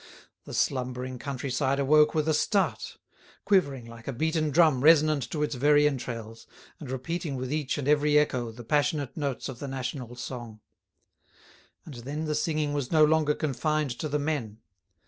The slumbering country side awoke with a start—quivering like a beaten drum resonant to its very entrails, and repeating with each and every echo the passionate notes of the national song. And then the singing was no longer confined to the men.